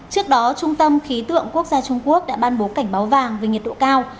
trước đó trung tâm khí tượng quốc gia trung quốc đã ban bố cảnh báo vàng về nhiệt độ cao